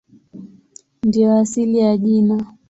Ndiyo asili ya jina.